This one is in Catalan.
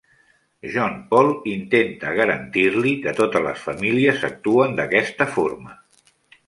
John Paul intenta garantir-li que totes les famílies actuen d"aquesta forma.